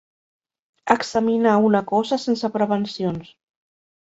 Examinar una cosa sense prevencions.